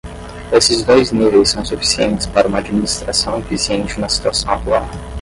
Esses dois níveis são suficientes para uma administração eficiente na situação atual.